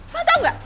lo tau gak